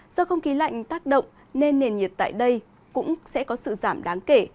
do không khí lạnh tác động nên nền nhiệt tại đây cũng sẽ có sự giảm đáng kể